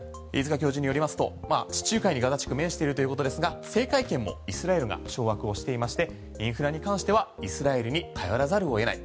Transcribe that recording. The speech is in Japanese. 教授によりますと地中海にガザ地区面しているということですが制海権もイスラエルが掌握をしていましてインフラに関してはイスラエルに頼らざるを得ない。